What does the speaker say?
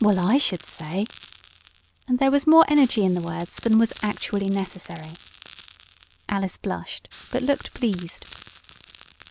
"Well I should say!" and there was more energy in the words than was actually necessary. Alice blushed, but looked pleased.